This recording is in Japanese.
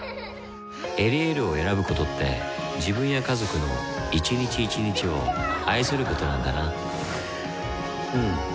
「エリエール」を選ぶことって自分や家族の一日一日を愛することなんだなうん。